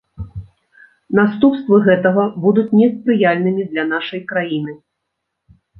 Наступствы гэтага будуць неспрыяльнымі для нашай краіны.